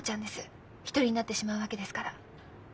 一人になってしまうわけですから。